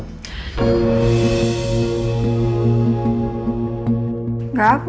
aku tidak akan menang